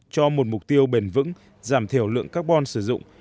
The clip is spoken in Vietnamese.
cho một mục tiêu bền vững giảm thiểu lượng carbon sử dụng